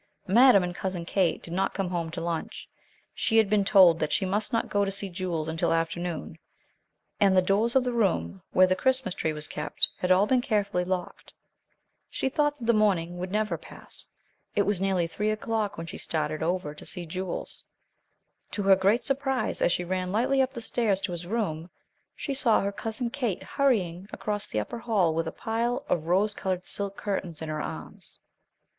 Madame and Cousin Kate did not come home to lunch. She had been told that she must not go to see Jules until afternoon, and the doors of the room where the Christmas tree was kept had all been carefully locked. She thought that the morning never would pass. It was nearly three o'clock when she started over to see Jules. To her great surprise, as she ran lightly up the stairs to his room, she saw her Cousin Kate hurrying across the upper hall, with a pile of rose colored silk curtains in her arms.